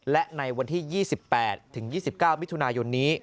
และในวันที่๒๘ถึง๒๙มิถุนายนนี้